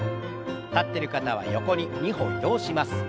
立ってる方は横に２歩移動します。